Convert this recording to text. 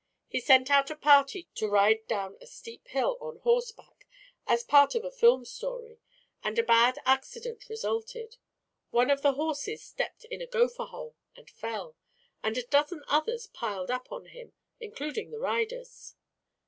He sent out a party to ride down a steep hill on horseback, as part of a film story, and a bad accident resulted. One of the horses stepped in a gopher hole and fell, and a dozen others piled up on him, including their riders."